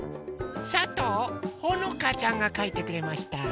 さとうほのかちゃんがかいてくれました。